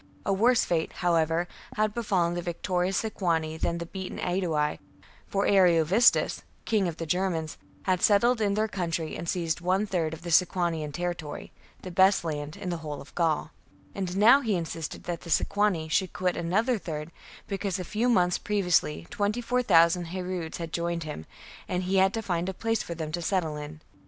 A worse fate, however, had befallen the victorious Sequani than the beaten Aedui, for Ariovistus, king of the Germans, had settled in their country and seized one third of the Sequanian territory, — the best land in the whole of Gaul ; and now he insisted that the Sequani should quit another third, because a few months previously twenty four thousand Harudes had joined him, and he had to find a place for them to settle in.